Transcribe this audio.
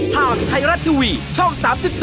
ท่านไทรัตทวีช่อง๓๒